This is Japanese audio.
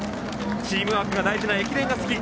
チームワークが大事な駅伝が好き。